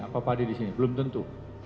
apa padi di sini belum tentu